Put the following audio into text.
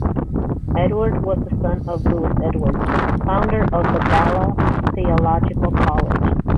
Edwards was the son of Lewis Edwards, founder of the Bala Theological College.